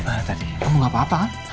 eh tadi kamu gak apa apa